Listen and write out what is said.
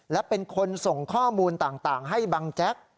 และเป็นคนส่งข้อมูลต่างให้บังแจ๊ก